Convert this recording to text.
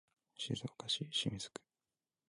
静岡市清水区